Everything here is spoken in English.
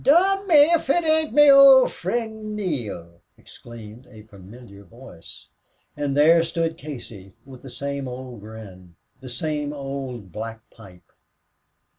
"Dom me if it ain't me ould fri'nd Neale!" exclaimed a familiar voice. And there stood Casey, with the same old grin, the same old black pipe.